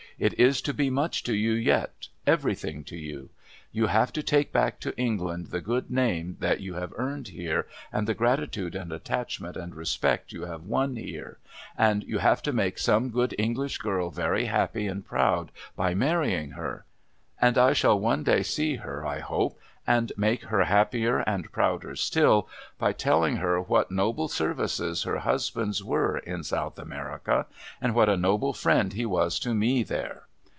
It is to be much to you, yet — everything to you. You have to take back to England the good name you have earned here, and the gratitude and attachment and respect you have won here : and you have to make some good Enghsh girl very happy and proud, by marrying her ; and I shall one day see her, I hope, and make her happier and prouder still, by telling her what noble services her husband's were in South America, and what a noble friend he was to me there.'